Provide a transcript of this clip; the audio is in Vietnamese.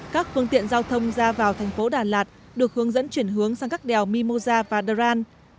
các phương tiện giao thông ra vào thành phố đà lạt được hướng dẫn chuyển hướng sang các đèo mimosa và dharan